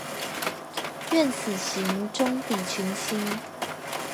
愿此行，终抵群星。